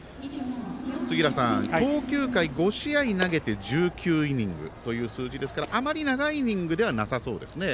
杉浦さん、投球回５試合投げて１９イニングという数字ですからあまり長いイニングではなさそうですね。